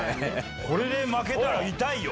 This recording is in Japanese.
これで負けたら痛いよ。